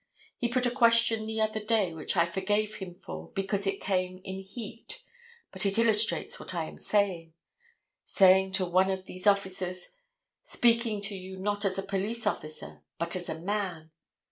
He put a question the other day which I forgave him for because it came in heat, but it illustrates what I am saying—saying to one of these officers, "speaking to you not as a police officer but as a man."